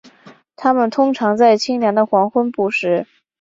它们通常在清凉的黄昏捕食。